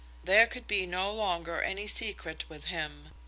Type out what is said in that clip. There could be no longer any secret with him.